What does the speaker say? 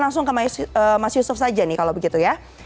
langsung ke mas yusuf saja nih kalau begitu ya